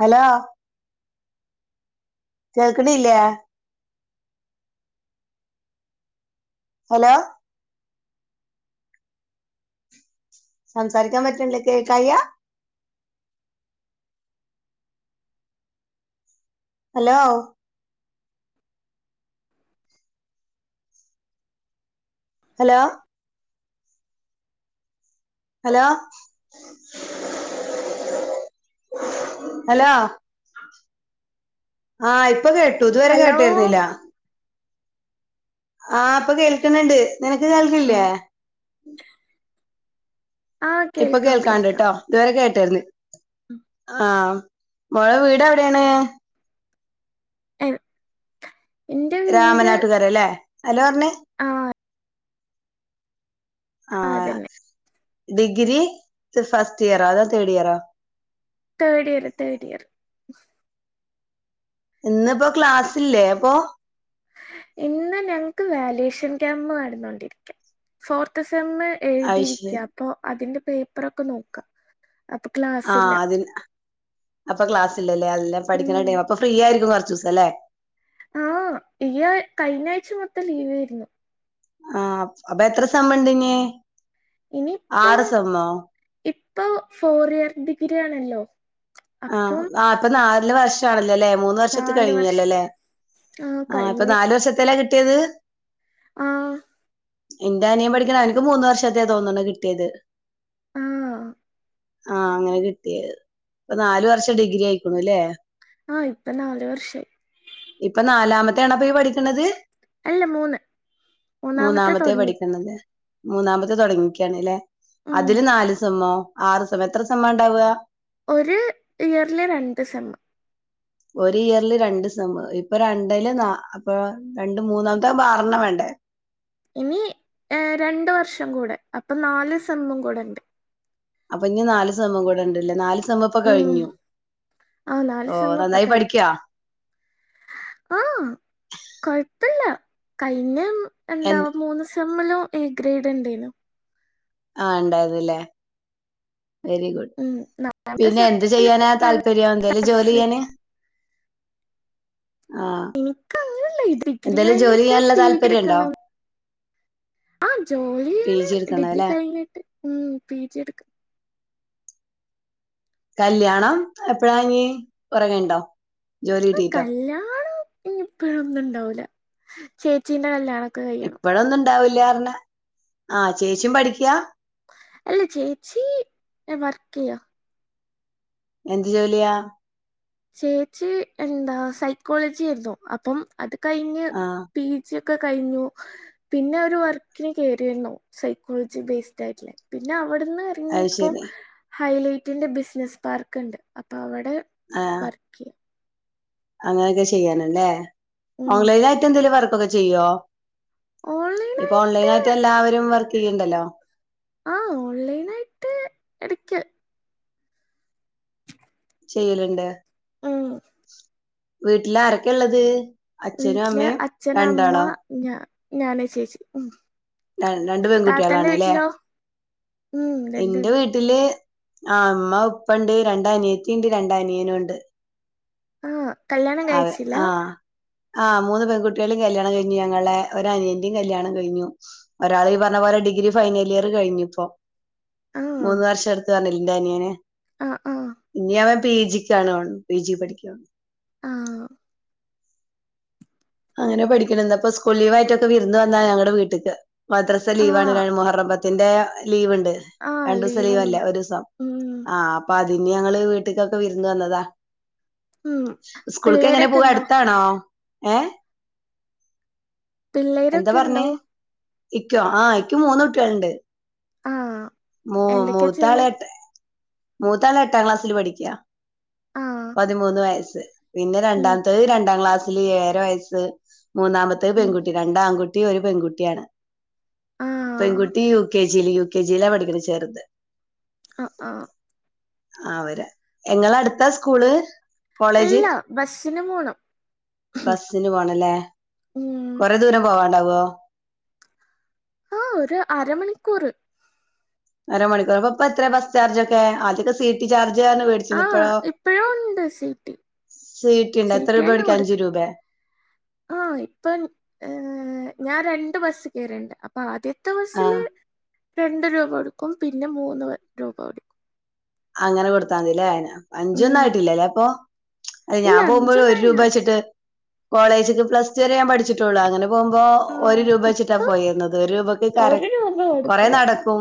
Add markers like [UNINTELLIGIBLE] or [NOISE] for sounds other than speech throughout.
Hello കേൾക്കണില്ലേ hello സംസാരിക്കാൻ പറ്റുന്നില്ലേ കേൾക്കാഴിയാ ഹലോ ഹലോ ഹലോ ഹലോ ആ ഇപ്പം കേട്ടു ഇതുവരെ ഹലോ കേട്ടിരുന്നില്ല ആ ഇപ്പൊ കേൾക്കണുണ്ട് നിനക്ക് ആ, കേൾക്കുന്നില്ലേ ആ ഇപ്പൊ കേൾക്കാം കേൾക്കാം കേൾക്കാണ്ട്ട്ടോ ഇതുവരെ കേട്ടാരുന്നു ഉം. ആ മോളെ വീട് എവിടെയാണ് എന്റെ രാമനാട്ടുകര അല്ലേ അതല്ലേ പറഞ്ഞേ ആഹ് ആ ഡിഗ്രി ഇത് ഫസ്റ്റ് ഇയറോ അതോ തേർഡ് ഇയറോ തേർഡ് ഇയർ തേർഡ് ഇയർ ഇന്നിപ്പോ ക്ലാസ്സില്ലേ അപ്പൊ ഇന്ന് ഞങ്ങക്ക് വല്വേഷൻ ക്യാമ്പ് നടന്നോണ്ടിരിക്കാ ഫോർത്ത് സെമ്മ് അത് ശരി എഴുതിരിക്ക അപ്പോ അതിന്റെ പേപ്പറൊക്കെ നോക്കാ അപ്പോ ക്ലാ ആ അതിന് അപ്പൊ ക്ലാസ്സില്ലല്ലേ അതെല്ലാം ഉം. പഠിക്കുന്ന ടൈം അപ്പൊ ഫ്രീ ആയിരിക്കും കുറച്ചു ദിവസം അല്ലേ ആഹ് ഈ ആഴ് കഴിഞ്ഞ ആഴ്ച മൊത്തം ലീവ് ആയിരുന്നു ആ അപ്പൊ എത്ര സെമ്മ് ഇണ്ടിനി ഇനിയിപ്പോ ആറ് സെമ്മോ ഇപ്പൊ ഫോർ ഇയർ ഡിഗ്രി ആണല്ലോ അപ്പം ആ ഇപ്പ നാല് വർഷാണല്ലോ അല്ലേ മൂന്ന് മൂന്ന് വർഷത്തെ നാല് വർഷം കഴിഞ്ഞൂല്ലല്ലേ ആ ഇപ്പൊ നാലു വർഷത്തെലാ കിട്ടിയത് ആഹ് ഇന്റെ അനിയൻ പഠിക്കണ് അവന്ക്ക് മൂന്ന് വർഷത്തേ തോന്നണ് കിട്ടിയത് ആ ആ അങ്ങനെ കിട്ടിയത് ഇപ്പൊ നാല് വർഷം ഡിഗ്രി ആയിക്കുണുല്ലേ ആ ഇപ്പൊ നാല് വർഷായി ഇപ്പൊ നാലാമത്തെ ആണോ ഇപ്പൊ പഠിക്കണത് അല്ല മൂന്ന് മൂന്നാമത്തെ മൂന്നാമത്തെയാ തുടങ്ങി പഠിക്കുന്നത് മൂന്നാമത്തെ തുടങ്ങിക്കാണ്ലെ ഉം. അതില് നാല് സെമ്മോ ആറ് സെമ്മോ എത്ര സെമ്മാണ്ടാവാ ഒരു ഇയറില് രണ്ട് സെമ്മ് ഒരു ഇയറില് രണ്ട് സെമ്മ് ഇപ്പൊ രണ്ടേല് നാ അപ്പൊ രണ്ട് മൂന്നാമത്താവുമ്പോ ആറെണ്ണം വേണ്ടേ ഇനി എ രണ്ട് വർഷം കൂടെ അപ്പൊ നാല് സെമ്മും കൂടെണ്ട് അപ്പൊഞ്ഞി നാല് സെമ്മും കൂടെണ്ട്ലെ നാല് സെമ്മും ഇപ്പോ ഉം. കയിഞ്ഞു ആ നാല് സെം ഓഹ് ഇപ്പൊ നന്നായി കഴിഞ്ഞു പഠിക്കോ ആ കൊഴപ്പില്ല കഴിഞ്ഞ എ എന്താ മൂന്ന് സെമ്മിലും എ ഗ്രേഡ് ഇണ്ടേനു ആ ഉണ്ടായിരുന്ന്ലെ വെരി ഗുഡ് ഉം. നാലാമത്തെ പിന്നെ എന്ത് സെമ്മില് ചെയ്യാനാ നല്ല താല്പര്യം എന്തെലും ജോലി ചെയ്യാന് ആഹ് എനിക്ക് അങ്ങനെല്ല ഈ ഡിഗ്രി കഴിഞ്ഞിട്ട് ചെയ്യാനുള്ള പീ ജി താല്പര്യം ഉണ്ടോ എടുക്കണം ആ പി ജോലിയാണ് ജി എടുക്കണം ഡിഗ്രി അല്ലെ കഴിഞ്ഞിട്ട് ഉം പി ജി എടുക്കും കല്യാണം എപ്പഴാഞ്ഞി കൊറെ കഴിഞ്ഞിട്ടോ ആ, കല്യാണം ഇപ്പഴൊന്നും ഉണ്ടാവൂല്ല ചേച്ചീന്റെ കല്യാണൊക്കെ കൈയ്യണം ഉണ്ടാവൂല്ലാർഞ്ഞാ ആ ചേച്ചീം പഠിക്കാ അല്ല ചേച്ചി വർക്കെയ്യാ എന്ത് ജോലിയാ? ചേച്ചി എന്താ സൈക്കോളജി ഏർന്നു അപ്പം അത് കഴിഞ്ഞ് ആ പി ജി ഒക്കെ കഴിഞ്ഞു പിന്നെ ഒരു വർക്കിന് കയറിയിരുന്നു സൈക്കോളജി ബേയ്സിഡായിട്ടേ പിന്നെ അവിടുന്ന് അത് ഇഞ്ഞിപ്പോ ശരി ഹൈലൈറ്റിന്റെ ബിസിനസ് പാർക്ക് ഇണ്ട് അപ്പൊ അവടെ ആഹ് ഓക്കെ അങ്ങനൊക്കെ ചെയ്യാണ്‌ലെ ഉം ഓൺലൈനായിട്ട് എന്തേലും വർക്കൊക്കെ ചെയ്യോ ഇപ്പൊ ഓൺലൈനായിട്ട് എല്ലാവരും വർക്ക് ചെയ്ണ്ടല്ലോ ആഹ് ഓൺലൈനായിട്ട് എടക്ക് - ചെയ്യലിണ്ട് ആഹ് വീട്ടിൽ ആരൊക്കെള്ളത് അച്ഛനും അമ്മയും രണ്ടാളോ ഞാ ഞാനും ചേച്ചിയും ഉം രണ്ട് താത്തന്റെ പെൺകുട്ടികളാണ്ല്ലേ വീട്ടിലോ ഉം രണ്ടുപേരും എന്റെ വീട്ട വീട്ടില് ആ അമ്മ ഉപ്പണ്ട് രണ്ടനിയത്തിണ്ട് രണ്ടനിയനും ഉണ്ട് ആഹ് കല്യാണം- അതെ കഴിച്ചില്ല ആഹ് - ആഹ് മൂന്ന് പെൺകുട്ട്യോളെ കല്യാണം കഴിഞ്ഞു ഞങ്ങളെ ഒരു അനിയന്റെയും കല്യാണം കഴിഞ്ഞു ഒരാൾ ഈ പറഞ്ഞ പോലെ ഡിഗ്രി ഫൈനലിയർ കഴിഞ്ഞിപ്പോ ആ മൂന്ന് വർഷം എടുത്തുന്ന് പറഞ്ഞില്ലെ എന്റെനിയന് ആഹ് ആഹ് ഇനിയവൻ പി ജി ക്കാണ് പി ജി പഠിക്ക ആ അങ്ങനെ പഠിക്കണ് അപ്പോ സ്കൂൾ ലീവായിട്ടൊക്കെ വിരുന്ന് വന്നാ ഞങ്ങടെ വീട്ട്ക്ക് മദ്രസ ആ ലീവ ആണ് മൊഹറം ത്തിന്റെ ലീവ് ഇണ്ട് ആ രണ്ടീസം ലീവല്ലെ ലീവുണ്ട് ഒരൂസം ഉം ആഹ് അപ്പൊ അതിഞ്ഞി ഞങ്ങള് വീട്ടക്കൊക്കെ വിരുന്നു വന്നതാ ഉം സ്കൂളക്ക് എങ്ങനെ പിള്ളേരൊക്കെ പോവാ ഉണ്ടോ അടുത്താണോ ഏഹ് എന്താ പിള്ളേരൊക്കെ പറഞ്ഞേ ഉണ്ടോ ഇക്കോ ആഹ് ഇക്ക് മൂന്ന് കുട്ടികളുണ്ട് ആഹ് മൂ മൂത്താള് എട്ട് മൂത്താല് എട്ടാം ക്ലാസ്സില് പഠിക്കാ ആ പതിമൂന്ന് വയസ്സ് പിന്നെ ഉം രണ്ടാമത്തെ രണ്ടാം ക്ലാസ്സില് ഏഴര വയസ്സ് മൂന്നാമത്തെ ഉം പെൺകുട്ടി രണ്ട് ആൺകുട്ടി ഒരു പെൺകുട്ടിയാണ് ആ പെൺകുട്ടി യു കെ ജിയില് യു. കെ. ജി ലാണ് പഠിക്ക ഒന്ന് ചേർത് ആഹ് ആഹ് ആഹ് വരാ ഇങ്ങളെ അടുത്താ സ്കൂള് കോളേജ് അല്ല ബസ്സിന് പോണം ബസ്സിന് പോണല്ലേ ഉം കൊറെ ദൂരം പോവാണ്ടാവോ ആഹ് ഒരു അര മണിക്കൂർ അരമണിക്കൂർ ഇപ്പം എത്ര ബസ് ചാർജ്ക്കെ ആദ്യൊക്കെ സീട്ടി ചാർജ് എന്ന് വെടി ആഹ് ഇപ്പോഴും ഉണ്ട് സീട്ടി സീട്ടി ഉണ്ട് എത്ര രൂപ വേടിക്കാ അഞ്ച് രൂപേ ആഹ് ഇപ്പം ഞാൻ രണ്ട് ബസ്സ് കേറലുണ്ട് ആദ്യത്തെ ബസ്സില് ആഹ് രണ്ട് രൂപ കൊടുക്കും പിന്നെ മൂന്ന് രൂപ കൊടുക്കും അങ്ങനെ കൊടുത്താമതില്ലേ അഞ്ചൊന്നും ഉം ആയിട്ടില്ലല്ലേ അപ്പൊ അത് ഇല്ല ഞാൻ പോകുമ്പോഴും ഒരു രൂപ അഞ്ചൊന്നായില്ല വെച്ചിട്ട് കോളേജ്ക്ക് പ്ലസ് ടു വരെ ഞാൻ പഠിച്ചിട്ടുള്ളു അങ്ങനെ പോകുമ്പോ ആ ഒരു രൂപ വെച്ചിട്ടാ ഇപ്പൊ പോയിരുന്നത് ഒരു രൂപക്ക് കര ഒരു രൂപ കൊറെേ കൊടുക്കൂല നടക്കും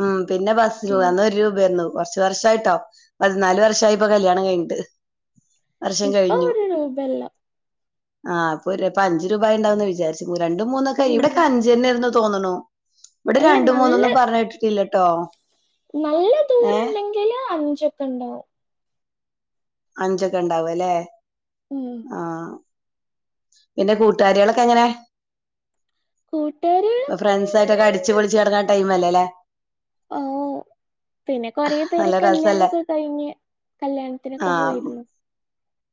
ഉം പിന്നെ ബസ്സില് പോവാ ഉം അന്ന് ഒരു രൂപ കുറച്ച് വർഷമായിട്ടോ പതിനാല് വർഷയിട്ടൊ കല്യാണം കഴിഞ്ഞട്ട് വർഷം ഇപ്പൊ കഴിഞ്ഞു ഒരു രൂപല്ല ആ അപ്പൊ അഞ്ചു രൂപ ആയിണ്ടാവുമെന്ന് വിചാരിച്ചു രണ്ട മൂന്നൊക്കെ ഉം ഇവിടെ അഞ്ച്നേ എന്ന് തോന്നണു ഇവിടെ അല്ല രണ്ടും മൂന്നൊന്നും പറഞ്ഞേട്ടി ഇല്ല്യട്ടോ നല്ലത് ഏ അഞ്ചൊക്കെ ഉണ്ടാവും അഞ്ചൊക്കെ ഉണ്ടാവാ ല്ലെ ഉം ആഹ് നിന്റെ കൂട്ടുകാരികളൊക്കെ എങ്ങനെ കൂട്ട്കാരികള് ഇപ്പൊ ഫ്രണ്ട്സ്ഒക്കെ അടിച്ച് പൊളിച്ച് നടക്കുന്ന ടൈംമല്ലേ ല്ലേ ഓ പിന്നെ കൊറേ പേരെ നല്ല കല്യാണം രസല്ലേ ഒക്കെ കഴിഞ്ഞ് കല്യാണ ആ അതിനൊക്കെ പോയിരുന്നു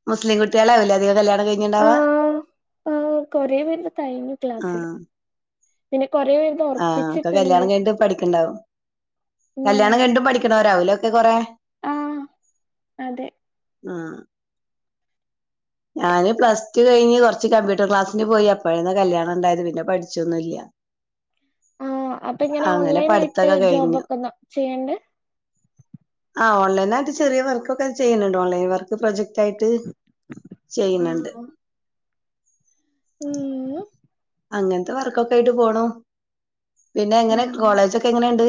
മുസ്ലിം കുട്ടികളാവും ല്ലേ അധികം കല്യാണം കഴിഞ്ഞുണ്ടാവുക ആഹ് ആഹ് കൊറേ പേര്ത് കഴിഞ്ഞു ക്ലാസ്സില് കൊറേ പേര്ത് ആഹ് ഒക്കെ കല്ല്യാണം പഠിക്ക്ണ്ടാവും കല്യാണം കഴിഞ്ഞും പഠിക്ക്ണവരാകും ഒക്കെ കൊറേ ആഹ് അതെ ആഹ് ഞാന് പ്ലസ് ടു കഴിഞ്ഞ് കുറച്ച് കമ്പ്യൂട്ടർ ക്ലാസ്സിന് പോയി അപ്പൊയാണ് കല്യാണം ഉണ്ടായത് പിന്നെ പഠിച്ചൊന്നുംമില്ല ആഹ് അപ്പൊ ഇങ്ങനെ അങ്ങനെ ഓൺലൈൻ ആയിട്ട് പഠിത്തൊക്കെ ജോബ് കഴിഞ്ഞു ഒക്കെ ചെയ്യ്ണ്ട് ആഹ് ഓൺലൈനായിട്ട് ചെറിയ വർക്ക് ഒക്കെ ചെയ്യുന്നുണ്ട് ഓൺലൈൻ വർക്ക് പ്രൊജക്റ്റ് ആയിട്ട് ആ ചെയ്യുന്നുണ്ട് ഉം അങ്ങനത്തെ വർക്കൊക്കെ ആയിട്ട് പോണ് പിന്നെ ആ എങ്ങനെ കോളേജൊക്കെ എങ്ങനെയുണ്ട്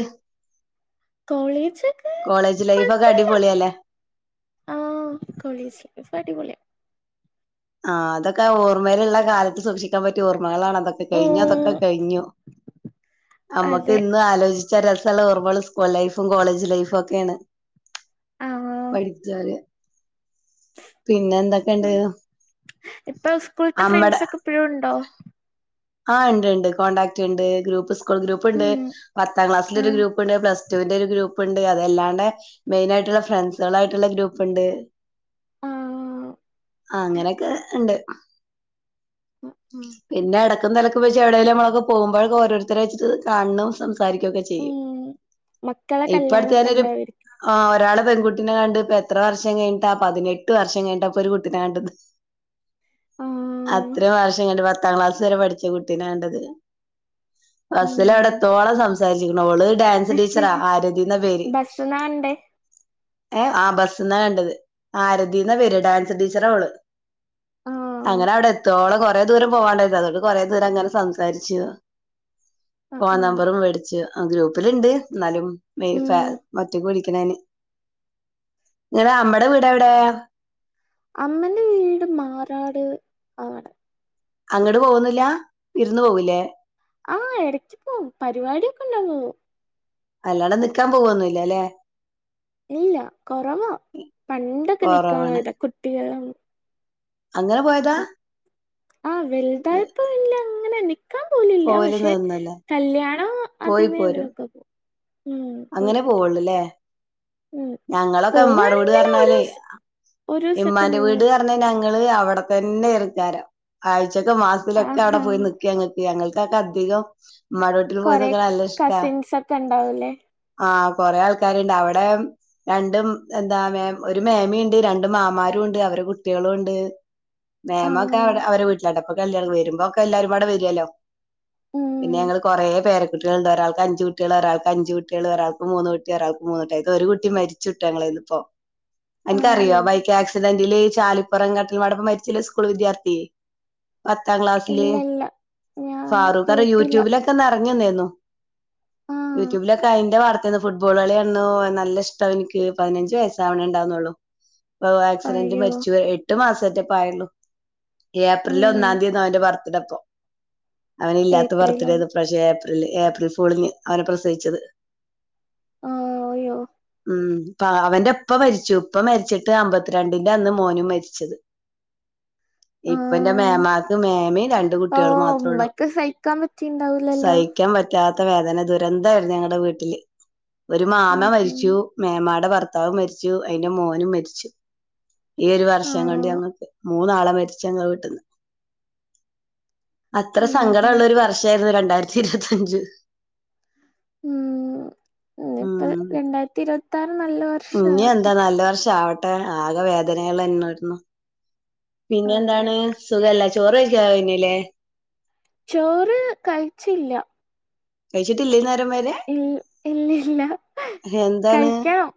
കോളേജൊക്കെ കോളേജ് ലൈഫ് ഒക്കെ കൊഴപ്പല്ല അടിപൊളിയല്ലേ ആഹ് കോളേജൊക്കെ ഇപ്പം അടിപൊളിയാ ആഹ് അതൊക്കെ ഓർമ്മയിലുള്ള കാലത്ത് സൂക്ഷിക്കാൻ പറ്റിയ ഓർമ്മകളാണ് അതൊക്കെ കഴിഞ്ഞു ഉം അതൊക്കെ കഴിഞ്ഞു മ്മക്ക് അതെ ഇന്ന് ആലോചി ച്ച രസള്ള ഓർമ്മള് സ്കൂൾ ലൈഫും കോളേജ് ലൈഫും ഒക്കേണ് ആ പഠിച്ചാല് പിന്നെന്തക്കെണ്ട് ഉം. ഇപ്പൊ സ്കൂൾത്തെ ഫ്രണ്ട്സൊക്കെ പ്പഴും ണ്ടോ ആ ണ്ട് ണ്ട് കോൺടാക്ട്ണ്ട് ഗ്രൂപ്പ് സ്കൂൾ ഗ്രൂപ്പ്ണ്ട് ഉം പത്താം ആ ക്ലാസ്സിലൊരു ഗ്രൂപ്പ്ണ്ട് പ്ലസ്ടുന്റെ ഒരു ഗ്രൂപ്പുണ്ട് അതെല്ലാണ്ട് മെയിൻ ആയിട്ടുള്ള ഫ്രണ്ട്സുകളായിട്ടുള് ഗ്രൂപ്പുണ്ട് ആ ആ അങ്ങനെക്കെ ണ്ട് ഉം പിന്നെടക്കും തലക്കക്ക് വെച്ച എവിടെേങ്കും നമ്മളക്കെ പോക്പോഴ ഓരോരുത്തര വച്ചിട്ട് കാണും സംസാരിക്കുകൊക്കെ ചെയ്യും ഉം മക്കളെ ഇപ്പ അടുത്ത കല്യാണൊക്കെ കാലത്ത് ഉണ്ടാവായിരിക്കും ആ ഒരാള് പെൺകുട്ടിനെ കണ്ട് ഇപ്പ എത്ര വർഷം കഴിഞ്ഞ്ട്ടാ പതിനെട്ട് വർഷം കഴിഞ്ഞ്ട്ട ഇപ്പൊരു കുട്ടിനെ കണ്ടത് ആ അത്രയും വർഷം കണ്ട് പത്താം ക്ലാസ് വരെ പഠിച്ച കുട്ടിനെ കണ്ടത് ബസ്സ്ല ഉം വിടെത്തോളം സംസ് സാരിച്ച്ക്ക്ണ് അവള് ഡാൻസ് ടീച്ചറാ ആരതിന്ന പേര് ബസ് നാണ്ടേ ഏഹ് ആഹ് ബസ്ന്നാ കണ്ടത് ആരതിന്ന പേര് ഡാൻസ് ടീച്ചറവള് ആ അങ്ങനെ അവിടെത്തോ ഓളെ കോ റെദൂരം പോവാണ്ടായിരുന്നു അതോട് കൊറെ നേരങ്ങനെ സംസാരിച്ചു ആ ഫോൺ ആ നമ്പറും വേട്ച്ചു ആഹ് ഗ്രൂപ്പില്ണ്ട് ന്നാലും മെയ്‌ ഫാ ഉം ഒറ്റക്ക് വടി ക്ക്ണേന് ങ്ങടെ അമ്മടെ വീടവിടെ അമ്മന്റെ വീട് മാറാട് ആണ് അങ്ങട് പോവൊന്നില്ല വിരുന്ന് പോവുലേ ആഹ് ഇടക്ക് പോവും പരിപാടിയൊക്കെണ്ടാ പോവും അല്ലാട നിക്കാൻ പോവൊന്നുല്ലാ ലേ ഇല്ല കൊറവാ പണ്ടൊക്കെ നിക്കാൻ കൊറവാണ് പോയത കുട്ടികളും അങ്ങനെ പോയതാ ആഹ് വെൽതായപ്പ ഇല്ല അങ്ങനെ നിക്കാൻ പോലില്ല പോവല് പക്ഷെ നിന്നല്ലേ കല്യാണ പോയി അതിനെ പോരും തിനൊക്കെ പോവും അങ്ങനെ പോവുള്ളു ല്ലേ ഉം ഞങ്ങളൊക്കെ മ്മാടെ പോവാണെങ്കിൽ ഒരു വീടർഞ്ഞാലേ ദിവസ- ഒരു ദിവസൊക്കെ ഇമ്മാന്റെ നിന്ന് വീട് അർഞ്ഞ ഞങ്ങള് അവിടെ തന്നെ എറക്കാര ആഴ്ചൊക്കെ മാസത്തിലൊക്കെ അവിടെ ആഹാ പോയി ന്ക്ക ങ്ങ ഞങ്ങൾക്കൊക്കെ അധികം മ്മാടെ വീട്ടിൽ പോയി നിക്ക്ണെ നല്ല ഇഷ്ട ക്കണ്ടാവുല്ലേ ആഹ് കൊറേ ആൾക്കാര്ണ്ട് അവടെ രണ്ടും എന്താ ഒരു മേമിയുണ്ട് രണ്ട് മാമാരുണ്ട് അവരെ കുട്ട്യേളുണ്ട് ആ മാേമൊക്കെടെ അവരെ വീട്ടിലാട്ട പ്പൊ [UNINTELLIGIBLE] വരുമ്പോക്കെ എല്ലാവുംപാടെ വരുല്ലോ ഉം പിന്നെ ഞങ്ങള് കൊറേ പേര കുട്ട്യേളുണ്ട് ഒരാൾക്ക് അഞ്ചു കുട്ടികൾ ഒരാൾ അഞ്ചു കുട്ടിയൾ ഒരാക്ക് മൂന്ന് കുട്ടി ഒരാക്ക് മൂന്നുട്ടി അയ്തെ ഒരു കുട്ടി മരിച്ചുട്ടൊ ഞങ്ങളന്ന് പ്പോ അൻക്കറിയോ ആയോ ബൈക്ക് ആക്സിഡന്റില് ചാലിപ്പുറം കട്ടടപ്പ മരിച്ചില്ലേ സ്കൂൾ വിദ്യാർത്ഥി പത്താം ക്ലാസ്സില് ഇല്ല ഇല്ല ഞാൻ ഫാറൂഖ് അറ കേട്ടില്ല യൂട്യൂബിലൊക്കെ നറഞ്ഞിന്നീന്നു ആഹ് യൂട്യൂബിലൊക്കെ അയ്ന്റെ വാർത്തയന്ന് ഫുട്ബോൾ കളിയാണ നല്ല ഇഷ്ടം എനി പതിനഞ്ച് വയസ്സാവണേണ്ടാവുന്നുള്ളു [INAUDIBLE] ആക്സിഡന്റ് അയ്യോ മരിച്ചു എട്ട് മാസംറ്റപ്പയള്ളൂ ഏപ്രില ഉം ഒന്നാം തീയതിന്ന അവന്റെ ഭർ ടപ്പ അവന്ല്ലാത്ത ഏപ്രിലാണ് ബർത്ത്ഡേന്ന്പ്പ്രാശ്യം ഏപ്രിൽ ഏപ്രിൽ ഫൂളിന് അവനെ പ്രസവിച്ചത് ആഹ് അയ്യോ ഉം പ അവന്റെ പ്പ മരിച്ചു പ്പ മരിച്ചിട്ട് അമ്പത്തിരണ്ടിന്റന്ന് മോനും മരിച്ചത് ആ ഇപ്പ എന്റെ മേമാക്ക് മേമയും രണ്ട് ഓ കുട്ടികളും മാത്രേ ഉള്ളൂ ഉമ്മക്ക് സഹിക്കാൻ സൈ പറ്റിണ്ടാവൂലല്ലോ യിക്കാൻ പറ്റാത്ത വേദന ദുരന്തയിരുന്നു ഞങ്ങള വീട്ടില് ഒരു മാമ ഉം ഉം. മരിച്ചു മേമാടെ ഭർ ഭത്താവ് മരിച്ചു അയിന്റെ മോനും മരിച്ചു ഈ ഒരു ആ വർഷം കൊണ്ട് ഞങ്ങക്ക് മൂന്നാള മരിച്ച ഞങ്ങ വീട്ടിന്ന് അത്ര ഉം ഉം സങ്കടള്ള ഒരു വർഷ തെത് രണ്ടായിരത്തി ഇരുപത്തഞ്ച് ഉമ് ഇനിഇപ്പ ഉം രണ്ടായിരത്തി ഇരുപത്തി ആറ് നല്ല വർഷ ഇനി ആവട്ടെ എന്താ നല്ല വർഷവട്ടെ ആകെ വേദനകൾ തന്നെ ആയിരുന്നു പിന്നെ അതെ എന്താണ് സുഖല്ല ചോറൊക്ക [UNINTELLIGIBLE] ല്ലേ ചോറ് കഴിച്ചില്ല. കഴിച്ചിട്ടില്ലേ ഈ നേരം വരെ ഇൽ- ഇല്ലില്ല എന്താണ് കഴിക്കണം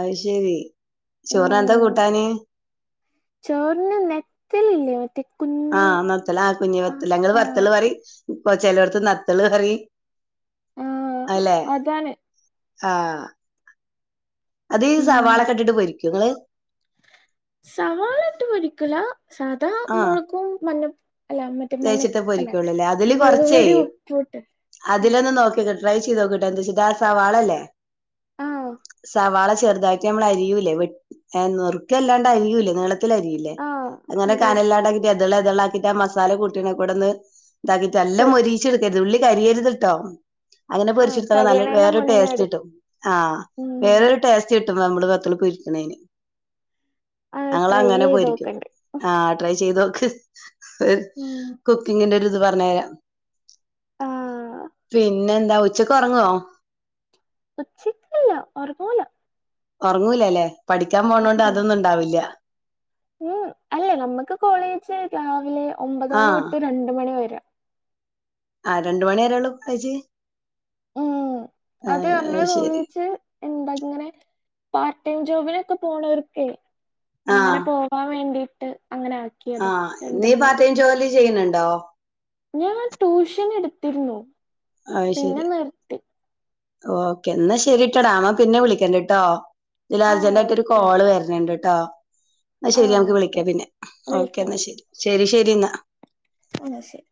അയ് ശരി ചോറ എന്താ ഉം കൂട്ടാന് ചോറിന് നെത്തലില്ലേ മറ്റേ കുഞ്ഞി ആഹ് നത്തല ആ കുഞ്ഞ വത്തല് അങ്ങള് വത്തല് പറയ് ഇപ്പൊ ചിലടത്ത് നത്തല് പറയ് ആ അയില്ലെ അതാണ് ആഹ് അത് ഈ ഉം സവാളൊക്കെട്ടിട്ട് പൊരിക്കുംങ്ങള് സവാള ഇട്ട് പൊരിക്കുല സാദാ മൊളകും മഞ്ഞ അല്ല മറ്റേ മഞ്ഞ തേച്ചിട്ട് അല്ല പൊരിക്കുള്ളൂല്ലേ അതില് മുളക് കൊറച്ചേ പൊടി ഉപ്പൂട്ട് അതിലൊന്ന് നോക്കി ട്രൈ ചെയ്ത് നോക്കൂട്ടോ എന്തൂട്ടിച്ച ആഹ് സവാളല്ലേ ആഹ് സവാള ചെറുതാ ഞമ്മളഅരിയൂലേ വെട്ട് നെറുക്കല്ലാണ്ട് അരിയൂലേ നീളത്തിൽ അരി ലെ ആഹ് അങ്ങനെ അറിയാം കനല്ലാടാക്കിട്ട് ഇതള ഇതെളാക്കിട്ട് ആഹ്മസാല കൂട്ടീണ കൂടെന്ന് ഇതാക്കിട്ട് പൊ എല്ലാം മൊരീച്ച് എടുക്കരുത് ഉള്ളി കരിയരുത് കേട്ടോ അങ്ങനെ ആഹ് പൊരിച്ചിടുത്ത നല്ല കരിയണേന്റെ വേറൊരു ടേസ്റ്റ് മുന്നെട് കട്ടും ആഹ് ഉം വേറൊരു ടേസ്റ്റ് റ്റിട്ടും ഞമ്മള് വത്തല് പൊരിക്കണേന് അത് ഞങ്ങൾ ട്രൈ അങ്ങനെ ചെയ്ത് പോരിക്കും നോക്കണ്ട് ആഹ് ട്രൈ ചെയ്ത് നോക്ക് ഉം കുക്കിങ്ങിന്റെ ഒര് ഇത് പറഞ്ഞ് തരാം ആഹ് പിന്നെ എന്താ ഉച്ചക്ക് ഒറങ്ങുവോ ഉച്ചക്ക്ല്ല ഓറങ്ങുല ഒറങ്ങൂല അല്ലേ പഠിക്കാൻ പോണോണ്ട് ഉം അതൊന്നും ഒണ്ടാവൂല്ല ഉം അല്ല നമുക്ക് കോളേജ് രാവിലെ ഒമ്പത് മണി ആഹ് തൊട്ട് രണ്ട് മണി വരെ ആഹ് രണ്ടു മണി വരേ ഉള്ളൂ കോളേജ് ഉം അത് നമ്മളെ ശരി വിളിച്ച് എന്താങ്ങനെ പാർടൈമ് ജോബിനൊക്കെ പോണവർക്കെ അങ്ങനെ ആഹ് പോ വാൻ വേണ്ടീയിട്ട് അങ്ങനെ ആ ആഹ് നീ പാർട്ട് ടൈം ജോലി ചെയ്യുന്നുണ്ടോ ഞാൻ ട്യൂഷൻ എടുത്തിരുന്നു. അയ് പിന്നെ ശരി നിർത്തി ഓക്കെ എന്നാ ശരിട്ടോ ഡാ മ്മ പിന്നെ വിളിക്കട്ടോ ഇതില് ആ അർജന്റ ആയിട്ട് ഒരു ഓക്കെ കോള് വരണണ്ട്ട്ടോ ആ അയ്ശെരി ഞമ്മക്ക് വിളിക്ക ഓക്കെ പിന്നെ ഓക്കേ വിളിക്കാം എന്നാ ശരി ശരി ശരി എന്നാ എന്നാ ശെരി